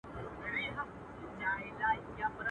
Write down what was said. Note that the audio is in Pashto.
زه دي يو ځلي پر ژبه مچومه.